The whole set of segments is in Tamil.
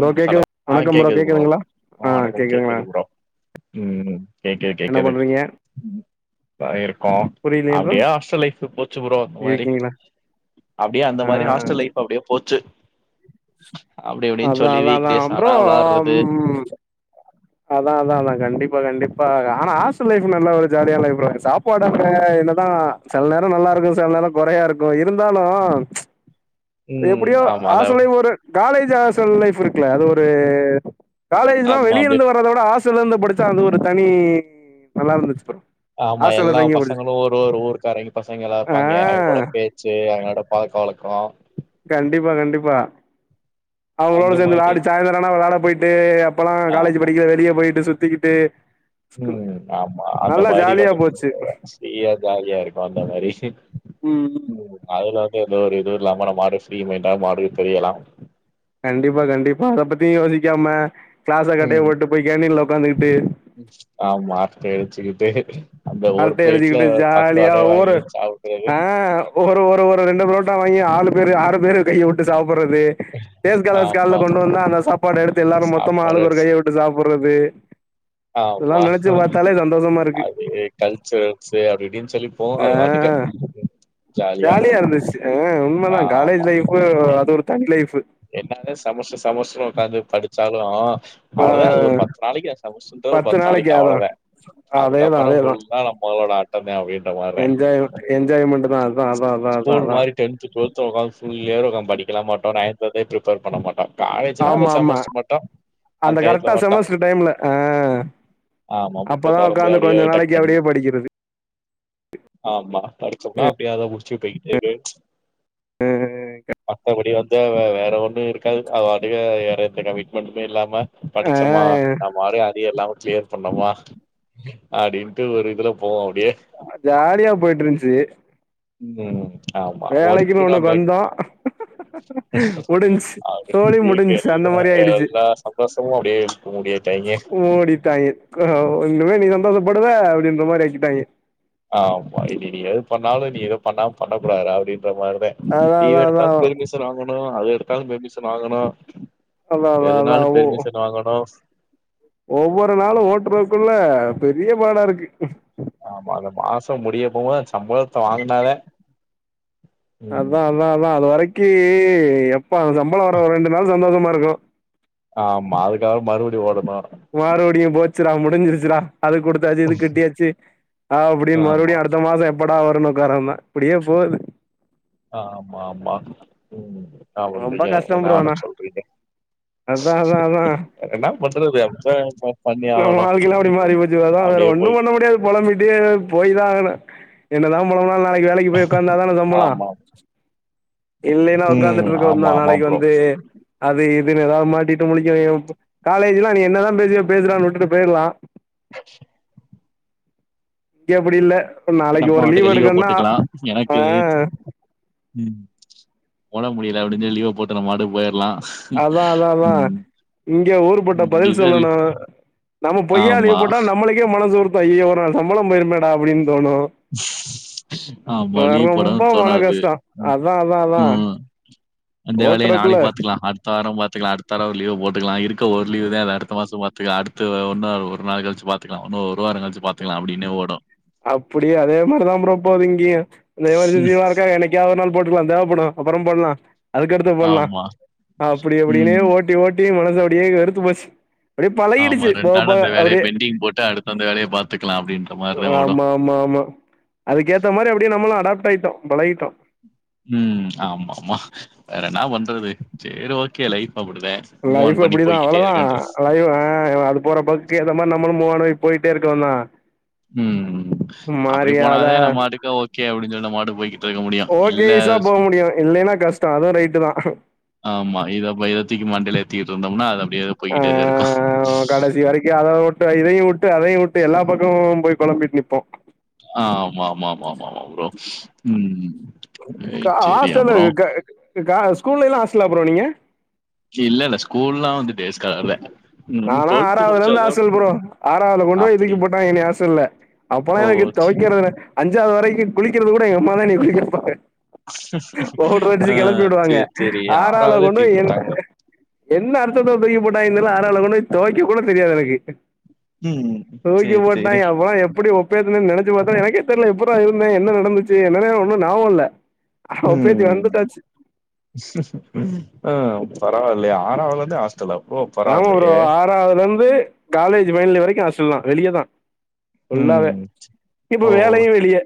ப்ரோ கேக்குது ஹலோ ஆ வணக்கம் கேக்குது ப்ரோ கேக்குதுங்களா ஆ அ வணக்கம் கேக்குதுங்களா கேக்குது ப்ரோ ம் கே கே என்ன கரெக்ட் பண்றீங்க அ இருக்கோ புரியலையே ப்ரோ அப்டியே ஹாஸ்டல் லைஃப் போச்சு ப்ரோ ஒரு மாரி இருக்கீங்களா அப்டியே அந்த ஆ மாரி ஹாஸ்டல் லைஃப் அப்டியே போச்சு அப்டி அப்டின் அதா அதா ப்ரோ அதா அதா அதா கண்டிப்பா கண்டிப்பா ஆனா ஆஸ்டல் லைஃப் நல்லா ஒரு ஜாலியா லைஃபு தா சாப்பாடு அங்க என்னதா சில நேர நல்லா இருக்கு சில நேர கொறையா இருக்கு இருந்தாலு ம் எப்டியோ ஆமா அத ஆசலே ஒரு காலேஜு ஆஸ்டல் லைஃபு இருக்குல அது ஒரு காலேஜ்னா ஆமா வெளிய அப்டியே இருந்து வந் ததோட ஆஸ்ஸல இருந்து படிச்சா அது ஒரு தனி நல்லா இருந்தச்சு ப்ரோ ஆமா ஹாஸ்டல்ல எல்லா தங்கி படிச்சு பசங்களு ஒரு ஒரு ஊர்க்காரைங்க பசங்கலா ஆ இருப்பாங்க அவ கூட போய் சேர் அவிங்களோட பழக்க வழக்கோ கண்டிப்பா கண்டிப்பா அவங்களோட அந்த சேந்து மாரி விளாடி சாய்ந்தரனா விளாட பொய்ட்டு அப்பெல்லா காலேஜி ஆமா படிக்க வெளிய பொய்ட்டு சுத்திக்கிட்டு ஸ்கூ ம் ஆமா அந்த நல்லா மாரி ஜாலியா கொஞ்ச போச்சு ஃப்ரீயா ஜாலியா இருக்கு அந்த மாரி ம் அதுல வந்து எந்த ஒரு இதுவு இல்லாம நம்ம அப்டியே ஃப்ரீ மைண்டா மாரி தெரியலா கண்டிப்பா கண்டிப்பா அத பத்தியு யோசிக்காம கிளாஸ கட்டைய ம் போட்டு போய் கேண்டீன்ல ஒக்காந்துகிட்டு ஆமா அர்ட்டை அடிச்சுகிட்டு அந்த ஒரு அரட்டை ப்ளேட்ல அடிச்சுக்கிட்டு பத்து ஜாலியா வடைய ஒரு வாங்கி சாப்புட்றது ஆ ஒரு ஒரு ஒரு ரெண்டு ப்ரோட்டா வாங்கி ஆளு பேரு ஆறு பேரு கையவுட்டு சாப்புறது டேஸ் காலர்ஸ் கால்ல ஆமா கொண்டு வந்தா அந்த சாப்பாடெடுத்து எல்லாரு மொத்தமா சாப்பாடு ஆளுக்கொரு அடிச்சு கையவுட்டு சாப்புறது இதலா ஆமா நெனச்சு பாத்தாலே சந்தோஷமாருக்கு அது கல்ச்சுரல்ஸு அப்டி இப்டின் சொல்லிட்போவு அது பாட்டுக்கு ம் ஜாலியா ஜாலியாருந்துச்சு அ உண்மதா காலேஜ் லைஃபு அது ஒரு தனி லைஃபு என்னாதா செமஸ்ட்ரு செமஸ்ட்ருனு ஒக்காந்து படிச்சாலு ஆ அவ்ளதா அது ஒரு பத்து நாளக்கி செமஸ்ட்ருன்றது ஒரு பத்து நாளைக்கு நாளக்கி அதா அவ்ளதா அதேதா அதுக்கப்றோ அதேதா ஃபுல்லா நம்பளோட ஆட்டமே அப்டின்ற மார்தா என்ஜாய்மெண்ட்டு தா அது ஸ்கூல் மாரி டென்த்து ட்டுவல்த்துல ஒக்காந்து ஃபுல் நேர ஒக்காந்து படிக்கலா மாட்டோ நைட்டு [unintelligible] பிரிப்பேர் பண்ண மாட்டோ காலேஜினா அந்த ஆமா ஆமா செமஸ்ட்ரு மட்டு அந்த டையத்துல கரெக்டா மட்டு செமஸ்டர் டைம்ல ஆ ஆமா புக்க அப்பதா தொறந்து உக்காந்து அப்பிடியே கொஞ்ச டக் நாளைக்கு அப்டியே டக்ன் படிக்கிறது ஆமா படிச்சம்னா அப்டியே அத முடிச்சி பொய்கிட்டே இரு ம் ம் மத்தபடி வந்து வே வேற ஒன்னு இருக்காது அதபாட்டுக்க வேற எந்த கமிட்மெண்ட்மே இல்லாம ஆ படிச்சமா நம்பாட்டுக்கு அரியர் இல்லாம க்ளியர் பண்ணமா அப்டின்ட்டு ஒரு இதுல போவோ அப்டியே ஜாலியா பொயிட்ருந்தச்சு வேனு ஆமா ஒர்க்குனா ஒண்ணுக்கு பட் வந்தோ முடிஞ்ச்சு சோலி அப்டி இருக்கு முடிஞ்ச்சு எல்லா எல்லா சந்தோஷமு அப்டியே இழுத்து மூடிட்டாய்ங்க ஓடிட்டாங்க க்கு இன்னமே நீ சந்தோஷப்படுவ அப்பிடின்றமாரி ஆக்கிட்டாங்க ஆமா இனி நீ எது பண்ணாலு நீ எது பண்ணா பண்ண கூடாதுறா அப்பிடின்ற மார்தா அதா அதா அதா லீவெடுத்தாலு பெருமிஷன் வாங்கணு அது எடுத்தாலு பெருமிஷன் வாங்கணு அதா அதா அதா எதுனாலு பெருமிஷன் வாங்கனு ஒவ்வொரு நாளு ஓட்றதுக்குள்ள பெரிய பாடா இருக்கு ஆமா அந்த மாச முடிய போம்போது அந்த சம்பளத்த வாங்குனாதா அதா அதா அதா அது வரக்கி எப்ப சம்பளொ வர ஒரு ரெண்டு நாள் சந்தோஷமா இருக்கு ஆமா அதுக்காக மறுபடி ஓடணு மறுபடியு போச்சுடா முடுஞ்சிருச்சுடா அதுக் குடுத்தாச்சு இதுக் கெட்டியாச்சு அப்டின் ஆமா. மறுவுடியு அடுத் அடுத்த மாசொ எப்படா வருன்னு ஒக்காரந்தா இப்புடியே போது ஆமா ஆமா ம் ரொம்ப [unintelligible] கஷ்டம் என்னா ப்ரோ வன்ன ஆனா சொல்றீங்க அதா அதா அதா என்னா பண்றது அப்டித்தா இருக்கு நம்ம வாழ்க்கெலா இப்டி மாறி போச்சு அதா வேற ஒன்னு பண்ண போய்க்கிட்டு முடியாது பொழம்பிட்டே போய்தா ஆகணு என்னதா பொழம்புனாலு நாளக்கி வேலக்கி போய் ஒக்காந்தாதான சம்பளொ ஆமா. இல்லேனா ம். ஆமா, ஒகாந்துட்ருக்கவந்தா ஆமா நாளக்கி ப்ரோ. வந்து அது இதுன் எதாது மாட்டிட்டு முழிக்க [unintelligible] காலேஜ்லா நீ என்ன தா பேசுவியோ பேசுடான் உட்டுட்டு போய்ர்லா இங்க அப்டி இல்ல நாளக்கி நம்ம ஒரு லீவ் பாட்டுக்கு லீவ எடுக்கனுன்னா போட்டுக்கலாம். அ எனக்கு ம் ஓடம்பு முடில அப்டின் சொல்லி லீவ போட்டு நம்மவாட்டுக் போயற்லா அதா அதா அதா இங்கெ ஊரு பட்ட பதில் இது சொல்லுணு நம்ம பொய்யா ஆமா லீவு போட்டா நம்மளுக்கே மனசு உறுத்து ஐயயோ ஒரு நாள் சம்பளொ போயிருமேடா அப்டின் தோணு ஆமா லீவு ரொம்ப போடவுந் மன தோணாது கஷ்டோ அதா அதா அதா ம் அந்த வேலைய ஓட்டுறக்குள்ள நாளக்கி பாத்துக்கலா அடுத் த வாரொ பாத்துக்கலா அடுத்தாரொ ஒரு லீவ போட்டுக்கலா இருக்க ஒரு லீவு தே அத அடுத்த மாசொ பாத்து அடுத்து ஒரு நாள் ஒரு நாள் கழிச்சு பாத் துக்லா இன்னொ ஒருவாரங்கழுச்சு பாத்துக்கலா அப்டின்னே ஓடு அப்புடியே அதே மாரிதா ப்ரோ போது இங்கியு இந்த எமர்ஜன்சி வாருக்காக என்னெக் கியாவ்து ஒரு நாள் போட்டுகலா தேவப்படு அப்பறொ போட்லா அதுக்கடுத்து போட்லா ஆமா அப்டி ம் அப்டினே ஓட்டி ஓட்டி மனசு அப்டியே வெறுத்து போச் ஆமா ரெண்டு நாள் அந்த வேலய பெண்டிங் போட்டு அடுத்த அந்த வேலய பாத்துக்கலா அப்டின் ஆமா ஆமா ஆமா அதுக்கேத்த மாரி அப்டியே நம்மளு அடாப்ட் ஆயிட்டோ பழகிட்டோ ம் ஆமா ஆமா வேற என்னா பண்றது சேரி ஓகே லைஃப் அப்டிதே லைஃப் அப்டிதா அவ்ளோ தா லைவ் அ போற போக்குக்கு ஏத்த மாரி நம்மளு மூவ் ஆன போயிட்டே இருக்கலாந் தா ம் அப்புடி போனாதே நம்ம வாட்டுக்க ஓகே அப்டின் சொல்லி நம்ம வாட்டுக்கு போயி ஓகே ஸ்சா போ முடியு இல்லென்னா கஷ்டொ அதுவு ரைட்டு தா ஆமா இத ப இத தூக்கி மண்டையில ஏத்திகிட்ருந்தோம்னா அது அப்டியே போய்கிட்டேதே இருக்கு இது வரைக்கு யார் யாரோ ஓட் டு இதையு விட்டு அதையு விட்டு எல்லா பக்கமு போய் கொளம்பிட் நிப்போ ஆ ஆமா ஆமா ஆமா ஆமா ப்ரோ ம் அ கா சரி ஹாஸ்டல்ல அப்புறம் க க ஸ்கூல்லெல்லா ஹாஸ்டல்லா ப்ரோ நீங்க இல்ல இல்ல ஸ்கூல்லா வந்து டேஸ் ஸ்காலர் தான். ம் நாலா ஆறாவதுல இருந்து முடிச்சதோட ஹாஸ்டல் ப்ரோ ஆறாவதுல கொண்டு போய் அப்படி. தூக்கி போட்டாங்கெ என்னய ஹாஸ்டல்ல அப்பல்லா ஓ! எனக்கு சி தொவக்கிறது அஞ்சாது வரைக்கு குளிக்கிறது கூட எங்க அம்மா தா என்னய குளிக்க வப்பாங்க பவுட்ரு ஆ அடுச்சு கெளப்பி விடுவாங்க சரி, சரி. ஆறாதுல கொண்டு தூக்கி போய் போட்டாங்களே. என்ன அர்த்தத்துல தூக்கி போட்டாங்கென்னு தெர்ல ஆறாவதுல கொண்டு போய் தொவைக்க கூட தெரியாது எனக்கு ம். தூக்கி சரி, சரி. போட்டாங்கெ அப்பல்லா எப்புடி ஒ [unintelligible] நெனச்சு பாத்தா எனக்கே தெர்ல எப்புர்ரா இருந்தே என்ன நடந்துச்சு என்னன்னே ஒன்னு நாவொ இல்ல ஒப்பேத்தி வந்துடாச்சு ம் பரவால்லயே ஆறாவதுலந்தே ஹாஸ் டல்லா அப்போ ஆமா ப்ரோ ஆறாவதுலருந்து காலேஜ் ஃபைனலியர் வரைக்கு ஹாஸ்டல் தா வெளியேதா ஃபுல்லாவே ம். இப்ப வேலையு வெளியே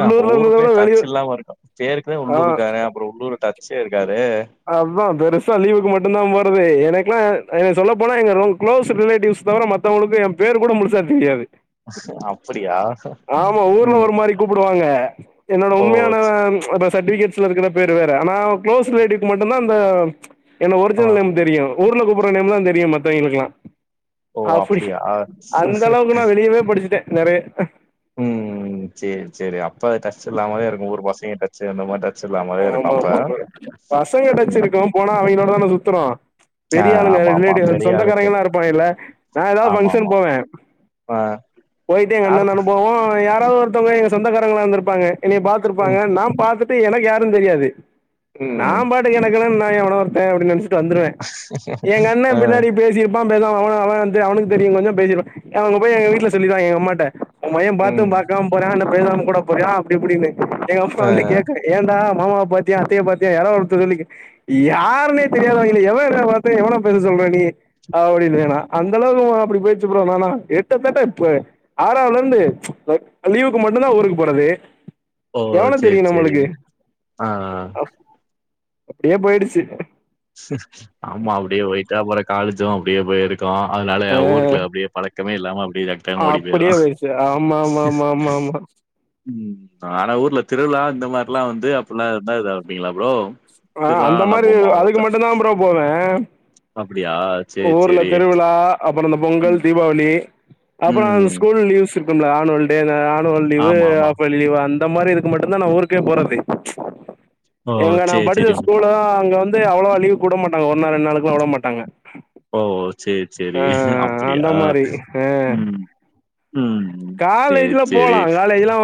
ஆ இருந்தத ஊருக்கே விட டச்சு வெளியூர் இல்லாம இருக்கு ஏற்கனவே ஆ உள்ளூர் கார அப்றோ உள்ளூர் டச்சே இருக்காதே அதா பெருசா லீவுக்கு மட்டு தா போறது எனக்கெல்லா எனக்கு சொல்ல போனா எங்க கு்ளோஸ் ரிலேட்டிவ்ஸ் தவிர மத் தவங்களுக்கு என் பேர் கூட முழுசா தெரியாது அப்படியா? ஆமா ஊர்ல ம். ஒரு மாரி கூப்டுவாங்க என்னோட ஓ! உண்மையான ச ச் சர்ட்பிகேட்ஸ்ல இருக்கற பேர் வேற ஆனா க்ளோஸ் ரிலேட்டிவ் மட்டுதா அந்த என்னோ ஆ. ஒரிஜினல் நேம் தெரியு ஊர்ல கூப்ட நேம் லா தெரியு மத்தவய்ங்களுக்கெல்லா ஓ! அப்டி அப்படியா? அந்த அளவுக்கு நா வெளியவே படிச்சட்டே நெறைய ம் சேரி சேரி அப்ப அது டச் இல்லாம தா இருக்கு ஊரு பசங்க டச்ச அந்த மாரி டச் இல்லாமலே இருக்கும் ஆமாமா அப்ப. பசங்க ம். டச்சிருக்கு போனா அவங்களோடதான சுத்துரோ ஆ பெரிய ஆளுங்க ஆமாமா. ரிலேட்டிவ் பெரிய ஆளுக்கு. சொந்தக்காரங்கெல்லா இருப்பாங்கல்ல நா ஏதாவது ஃபங்க்ஷன் ஆமாமா. போவே ஆ போயிட்டு எங்க அண்ண யாரு நானு போவோ யாராவது ஒருத்தவங்க எங்க சொந்தக்காரங்களா வந்துருப்பாங்க என்னைய பாத்துருப்பாங்க ம், நா பாத்துட்டு எனக்கு யாருனு தெரியாது நா ம். பாத் எனக்கென்ன நா எவனோ ஒருத்த அப்டி நெனச்சிட்டு வந்துருவே எங்க அண்ண அ, பின்னாடி பேசி [unintelligible] அவ அவ வந்து அவனுக்கு தெரியு கொஞ்சோ பேசிடுவா அவங்க போய் எங்க வீட்ல சொல்லிருவாங்கே எங்க அம்மாட்ட ஒம்மயே பாத்து ம். பாக்காம போறா என்ன பேசாம கூட போறா அப்டி இப்டின்னு எங்க அம்மா அ. வந்து கேக்குது ஏண்டா மாமாவ பாத்தியா அத்தைய பாத்தியா யாராவது ஒருத்தர சொல்லி யாருனே தெரியாதவய்ங்களே எவ எவன பேச சொல்ற நீ அப்டின்னுவே நா அந்தளவுக்கு அப்டி போய்ருச்சி ப்ரோ நானா எட்டத்தட்ட இ ஆறாவதுலருந்து ச் லீவுக்கு மட்டுதா ஊருக்கு போறது ஓ! எவ்ளோ சரி, தெரியனு சரி. உங்களுக்கு ஆ ஆ அப்டியே போயிடுச்சி அம்மா அப்டியே போயிட்டு அப்றோ காலேஜு அப்டியே போயிருக்கோ அதனால அஹ் ஊருக்குள்ள அப்டியே பழ க்கமே இல்லாம அப்டெ நெஸ்ட் டைம் ஓடி அப்படியே போய்யிர்லா போயிடுச்சு ஆமா ஆமா ஆமா ஆமா [unintelligible] ஆமா ம் ஆனா ஊர்ல திருவிழா இந்த மாரிலா வந்து அப்பல்லா இருந்தா இதா இருப்பீங்ளா ப்ரோ ஆ திருவிழா அந்த நல்லா மாரி போமா அதுக்கு மட்டுதா ப்ரோ போவே அப்டியா சேரி ஊர்ல சேரி திருவிழா அப்றோ இந்த பொங்கல் ம் தீபாவளி அப்றோ ம். ஸ்கூல் லீவ்ஸ் இருக்கும்ல ஆனுவல் டே ஆனுவல் லீவு ஆமா ஆமா ஆப்பலி லீவு அந் ந்த மாரி இதுக்கு மட்டுதா நா ஊருக்கே போறது ச் ஓ எங்க நா சேரி படிச்ச சேரி ஸ்கூல அங்க வந்து அவ்ளவா லீவுகு வுட மாட்டாங்க ஒரு நா ரெண்டு நாளுக்குலா விட மாட்டாங்க ஓ செரி ஆ செரி அப்டியா அந்த மாரி ஆ ம் ம் செரி காலேஜ்ல செரி போலா காலேஜ்லா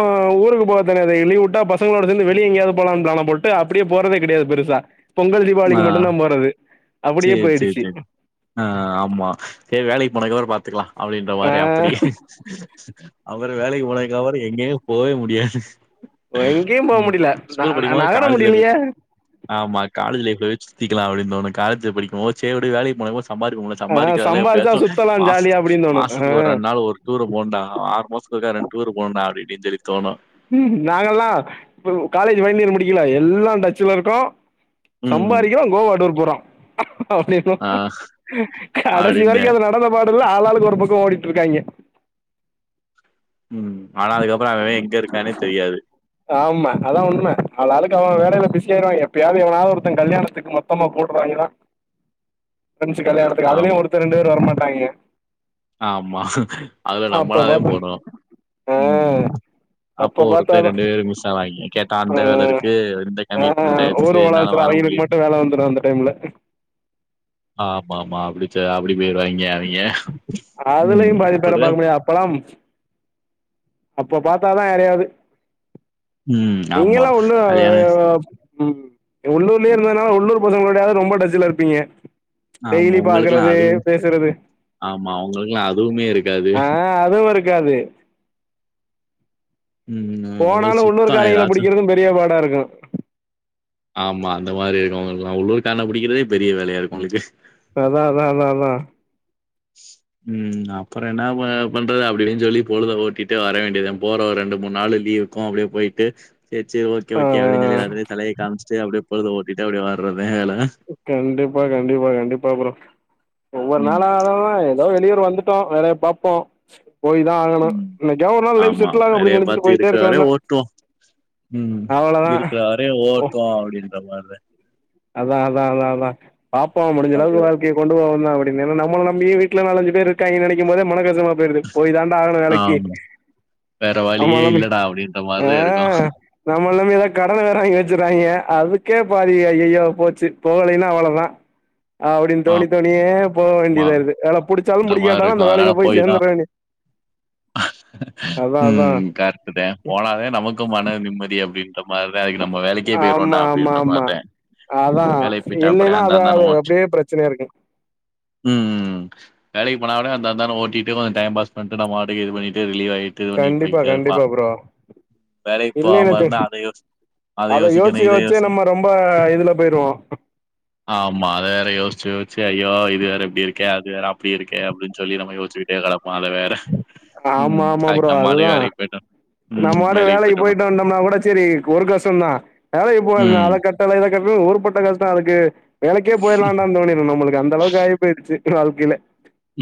ஊருக்கு போறது கெடையாது லீவு வுட்டா பசங்களோட சேந்து வெளிய எங்கயாவது போலானு ப்ளான போட்டு அப்டியே போறதே கெடையாது பெருசா பொங்கல் தீபாவளிக்கு மட்டுதா போறது செரி அப்டியே செரி போயிடுச்சு செரி ஆ ஆமா செரி வேலைக்கு போனதுக்கப்றோ பாத்துக்கலா அப்டின்ற மாரி ஆ அப்டி அப்றோ வேலைக்கு போனதுக்கப்றோ எங்கேயுமே போவே முடியாது எங்கேயு போ ம் முடியல ஸ்கூல் ந படிக்கு போது நகர காலேஜ்ல போய் முடியலையே ஆமா காலேஜ் லைப்ஃலய சுத்திக்கலா அப்டினு தோனு காலேஜ் படிக்கு போ சே விடு வேலக் போன சம்பாரிப்போம்ள ஆ சம்பாதிக்கிறல சம்பாரிச்சா எப்டியாச்சு சுத்தலா மாச ஜாலியா அப்டின்னு தோணு ஆ மாசத்துக்கு ஒரு ரெண்டு நாள் ஒரு டூரு போட்டாங்களா ஆறு மாசத்துக் ஒர்கா ரெண்டு பேரு போணும்டா அப்டின்னு சொல்லி தோணு ம் நாங்கல்லா இப்ப காலேஜ் வைனலியர் முடிக்கல எல்லா டச்ல இருக்கோ ம் சம்பாரிக்ரோ கோவா டூர் போறா அப்டின் ஆ கடசி அப்டின்ட்டு வரைக்கு அது நடந்த பாடு இப்ப எல்லா ஆள் ஆளுக்கு ஒரு பக்க ஓடிட்டு இருக்காங்க ம் ஆனா அதுக்கப்ற அவ எங்க இருக்கானே தெரியாது ஆமா அதா உண்ம ஆள் ஆளுக்கு அவ வேலயில பிசியாயிருவா எப்பயாது எவனாது ஒர்த்த கல்யாணத்துக்கு மொத்தமா போட்றங்களா [inaudible] ஃப்ரென்சு கல்யாணத்துக்கு ஆம் அதுலயு ஒருத்த ரெண்டு பேர் வரமாட்டாங்க ஆமா அதுல அப்ப நம்மளாவே பாத்தா போடனு ஆ ம் அப்போ அப்ப ஒருத்த பாத்தாதா ரெண்டு பேர் மிஸ் ஆவாங்க கேட்டா அந்த வேல ஆ இருக்கு இந்த ஆ கமிட்மெண்ட் ஆயிடுச்சு ஊர் என்னால உலகத்துல வர அவங்களிக்கு முடியா மட்டு வேல வந்துரு அந்த டைம்ல ஆ ஆமா ஆமா அப்டி அப்டி போயிர்வாங்க அவிங்க அதுலயு ம் பாதிபேர அப்டிதா பாக்க அப்பல்லா அப்ப பாத்தாதா யாரையாது ம் ஆமா நீங்கல்லா ஒண்ணு கல்யாண ம் உள்ளூர்லய இருந்ததுனால உள்ளூர் பசங்களுடையாது ரொம்ப டச்ல இருப்பீங்க ஆமா டெய்லி உங்களுக்குல்லா பாக்குறது அதுவு பேசுறது ஆமா அவங்களுக்குல்லா அதுவுமே இருக்காது ஆ அதுவு ஒரு இருக்காது ம் போனாலு உங்களுக்கு உள்ளூர் சுத்தோ காரங்கள ஏதாச்சு பிடிக்கிறது பெரிய பாடா இருக்கு ஆமா அந்த மாரி இருக்கவங்களுக்குல்லா உள்ளூரு கான பிடிக்கிறதே பெரிய வேலையா இருக்கு உங்களுக்கு அதா அதா அதா அதா ம் அப்ற என்ன பண்றது அப்டின்னு சொல்லி பொழுத ஓட்டிட்டு வர வேண்டியதா போற ஒரு ரெண்டு மூணு நாள் லீவ் போ அப்டியே போயிட்டு ச்ச சர் ஓகே ஆ ஓகே அப்டின் சொல்லி எல்லாத்துட்டயு தலய காம்ச்சுட்டு அப்டியே பொழுத ஓடிட்டு அப்டியே வர்றதா வேல கண்டிப்பா கண்டிப்பா கண்டிப்பா ப்ரோ ஒவ்வொரு நாள ம், ஆ தோ வெளியூர் வந்துட்டோ வேலாய பாப்போ போய் தா ஆகணு ம். எனைக்கா ஒரு நாள் லைப்ஃ ஆமா. செட்லாகு அப்டினு வேலைய நினச்சிட்டு பாத்து போயிட்டே இருக்கிற இருக்கே வர வேண்டியாத ஓட்டுவோம். ம் இருக்குற வரையு ஓட்வோ அப்டின்ற மாரி தா அதா அதா அதா பாப்போ முடிஞ்ச அப்டியே அளவுக்கு கொண்டு போகந்த அப்டின் நம்ம நம்பமைய வீட்ட நாலஞ்சு பேர் இருக்காங்கே நினைக்கு போது மன கசப்பு போடுது போய் தாண்டா ஆகனு வேலக்கி ஆமா. வேற வழியே இல்லடா அப்டின்ற மாரிதா இருக்கு நம்மல நம்பி எதோ கடன வேற வாங்கி வச்சுறாங்க அதுக்கே பாதியே ஐய யோ போச்சு போகலைன்னா அவ்ளோவுதா அப்டினு தோனி தோனியே போக ஆமா. வேண்டியதா இருக்கு வேல புடிச்சாலு இந்த மாரி புடிக்காட்ணாலு அந்த இருக்கும். அதனால வேலயில போய் சேந்துற தான் வேண்டியது தா அதான் ம் கரட்டுத போனாவே நமக்கு மன நிம்மதி அப்டினு அந்த மாரி தே அது நம்ம வேலைக்கே போய்டுவோண்டா அப்டின்ற மாரி தா அதா இல்லேன்னா அது அது அப்டியே பிரச்சனையா இருக்கு ம்ம் வேலக்கு போனா கூட அந்தந்தானே ஓட்டிட்டு கொஞ்சோ ம் டாயம்பாஸ் பண்ணிட்டு இ பண்ணிட்டு ரிலீவ் ஆகிட்டு பண்ணி கண்டிப்பா போயிட்ட இருக்கலா கண்டிப்பா ப்ரோ வேலைக்கு போக இல்லைன்னு மா வச்சுங்க இருந்தா அத யோசிச்சு அத யோசிச்சு யோசிச்சே நம்ம ரொம்ப இதுல போயிருவோ ஆமா அதது வேற யோச்சு யோச்சு ஐயோ இது வேற இப்படி இருக்கே அது வேற அப்டி இருக்கே அப்டினு சொல்லிட்டு நம்மயோச்சு [unintelligible] வேற [unintelligible] அதுக்கு நம்ம ஆளே வேலைக்கு போயுட்ட நா மாட்டுன் வேலைக்கு போயிட்டு வந்தோம்னா கூட சரி ஒரு கஷ்டம் தா வேலைக்கு போகதனா ம் அத கட் [unintelligible] நடக்காட்டி ஒரு பக்கம் கஷ்டம் அதுக்கு வேலைக்கே போயில்லான்டா தோணுது நம்முளுக் அந்த அளவுக்கு ஆயி போயிருச்சு வாழ்க்கையில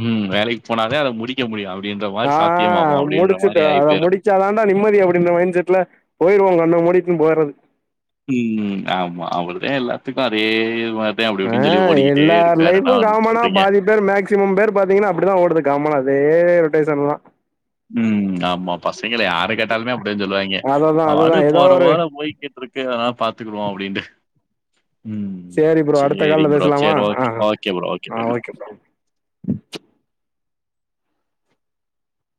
ம் வேலைக்கு போனாதா அத முடிக்க முடியும் அப்படின்ற மாரி சாத்தியம்மாகும் அப்படின்ற மாரி ஆயி போய்ரும் அடிச்சா தாண்டா நிம்மதி அப்டின்ற மைண்ட் செட்ல போயிருவாங்க அந்த மாரி இருக்கும் போறது ம் ஆமா அவருத எல்லாத்துக்கும் அப்டே மா த அப்டி ஆ இப்டினு சொல்லி ஓடிக்கிட்டே எல்லார் இருக்காரு லைஃபு அண்ணா அப்டி காமனா சொல்றீங்க பாதி பேர் மேக்சிமம் பேர் பாத்தீங்கன்னா அப்டிதா ஓடுது காமன்னா அப்டே ரொட்டேஷன்னா ம் ஆமா பசங்கள யார கேட்டாலுமே அப்டிதா சொல்லுவாய்ங்க அததா அதுதா அது ஏதோ போற ஒரு போல போய்க்கி இருக்குறதல்லா பாத்துக்குவோம் அப்டின்ட்டு ம் சேரி ப்ரோ அடுத்த சேரி கால்ல ப்ரோ பேசலாமா செர் ஓகே ஆ ஆ ஓகே ப்ரோ ஓகே ப்ரோ [inaudible]